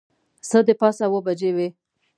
څه د پاسه اوه بجې وې.